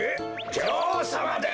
じょおうさまです！